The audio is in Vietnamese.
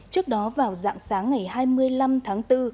trước đó vào dạng sáng ngày hai mươi năm tháng bốn